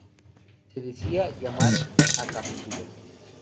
Se decía "llamar a capítulo".